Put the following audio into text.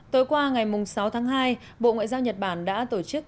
tối qua ngày sáu tháng hai bộ ngoại giao nhật bản đã tổ chức